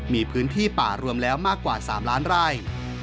มีพื้นที่ป่ารวมแล้วมากกว่า๓ล้านไร่